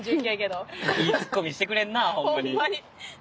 いいツッコミしてくれんなホンマに。